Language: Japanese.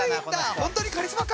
本当にカリスマか？